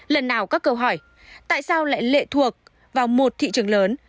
lần nào các câu hỏi tại sao lại lệ thuộc vào một thị trường lớn